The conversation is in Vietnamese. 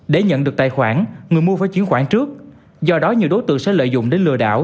để nhận được tài khoản người mua phải chuyển khoản trước do đó nhiều đối tượng sẽ lợi dụng để lừa đảo